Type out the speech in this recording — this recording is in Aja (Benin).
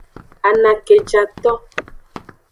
Anakejato.